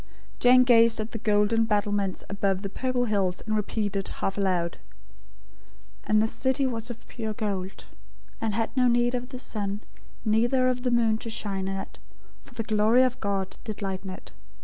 Jane gazed at the golden battlements above the purple hills, and repeated, half aloud: "And the city was of pure gold; and had no need of the sun, neither of the moon to shine in it: for the glory of God did lighten it.